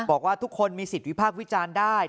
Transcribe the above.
บอกว่าทุกคนมีสิทธิ์วิพากษ์วิจารณ์ได้